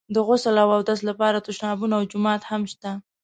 د غسل او اوداسه لپاره تشنابونه او جومات هم شته.